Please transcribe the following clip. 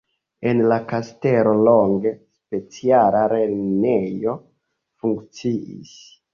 En la kastelo longe speciala lernejo funkciis.